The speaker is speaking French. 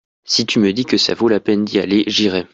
si tu me dis que ça vaut la peine d'y aller j'irai.